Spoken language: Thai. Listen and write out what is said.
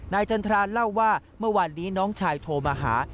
จันทราเล่าว่าเมื่อวานนี้น้องชายโทรมาหา